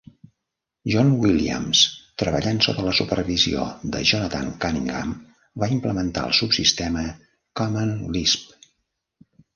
John Williams, treballant sota la supervisió de Jonathan Cunningham va implementar el subsistema Common Lisp.